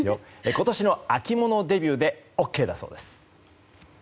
今年の秋物デビューでＯＫだそうです。